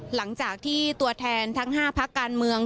หลังจากที่ตัวแทนทั้ง๕พักการเมือง